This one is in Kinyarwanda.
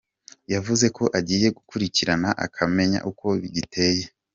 Yavuze ko agiye kugikurikirana akamenya uko giteye.